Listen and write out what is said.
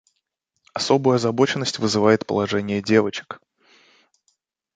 Особую озабоченность вызывает положение девочек.